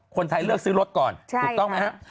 คนไทยเลือกซื้อรถก่อนถูกต้องไหมครับ